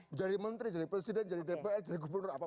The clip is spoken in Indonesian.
menjadi menteri jadi presiden jadi dpr jadi gubernur apapun